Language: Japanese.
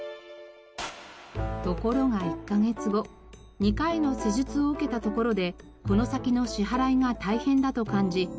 ところが１カ月後２回の施術を受けたところでこの先の支払いが大変だと感じ